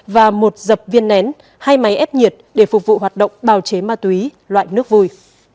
và một dập viên nén hai máy ép nhiệt để phục vụ hoạt động bào chế ma túy loại nước vui